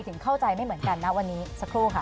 ถึงเข้าใจไม่เหมือนกันนะวันนี้สักครู่ค่ะ